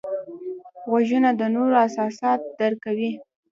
غوږونه د نورو احساسات درک کوي